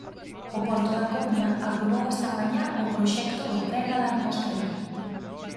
O Porto da Coruña aprobou esta mañá o proxecto do tren a Langosteira.